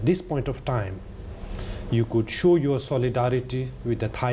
แต่มีความรู้สึกว่าถ้าคุณอยู่ที่ไทย